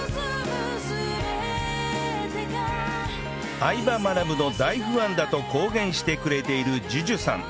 『相葉マナブ』の大ファンだと公言してくれている ＪＵＪＵ さん